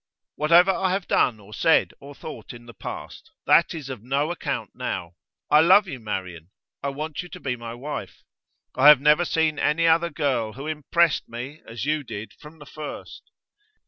'Whatever I have done or said or thought in the past, that is of no account now. I love you, Marian. I want you to be my wife. I have never seen any other girl who impressed me as you did from the first.